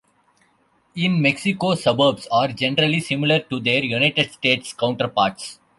In Mexico, suburbs are generally similar to their United States counterparts.